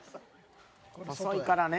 「細いからね」